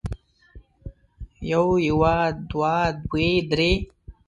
يو يوه دوه دوې درې